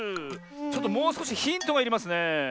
ちょっともうすこしヒントがいりますねえ。